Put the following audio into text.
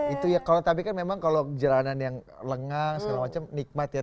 itu ya kalau tapi kan memang kalau jalanan yang lengang segala macam nikmat ya